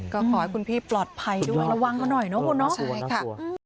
ก็ขอให้คุณพี่ปลอดภัยด้วยระวังกันหน่อยเนาะคุณเนาะใช่ค่ะ